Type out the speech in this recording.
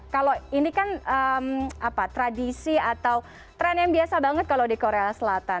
kalau ini kan tradisi atau tren yang biasa banget kalau di korea selatan